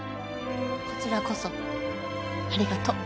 こちらこそありがとう。